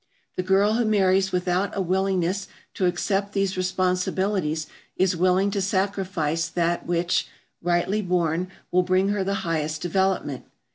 The girl who marries without a willingness to accept these responsibilities is willing to sacrifice that which, rightly borne, will bring her the highest development.